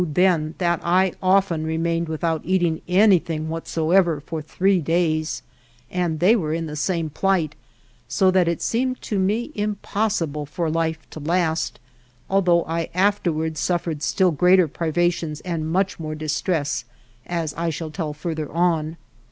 70 ALVAR NUNEZ CABEZA DE VACA then that I often remained without eating anything whatsoever for three days, and they were in the same plight, so that it seemed to me impossible for life to last, al though I afterwards suffered still greater privations and much more distress, as I shall tell further on.